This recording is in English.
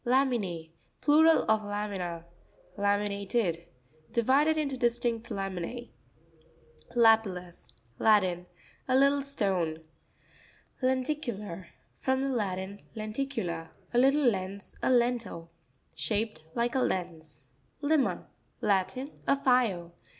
La'min&%.—Plural of lamina. La'miInATED.—Divided into distinct lamine. Lapi'LtLus.—Latin. A little stone. Lenti'cutar.—From the Latin, len ticula, a little lens, a _ lentil, Shaped like a lens, Li'ma.—Latin. A file.